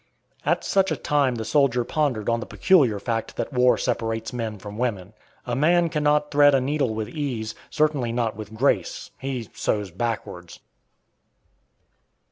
At such a time the soldier pondered on the peculiar fact that war separates men from women. A man cannot thread a needle with ease; certainly not with grace. He sews backwards.